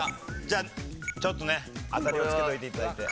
じゃあちょっとね当たりをつけておいて頂いて。